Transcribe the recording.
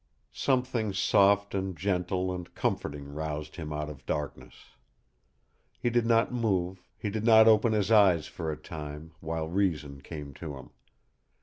Something soft and gentle and comforting roused him out of darkness. He did not move, he did not open his eyes for a time, while reason came to him.